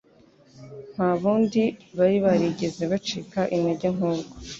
Nta bundi bari barigeze bacika intege nk'ubwo.